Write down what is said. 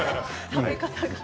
食べ方が。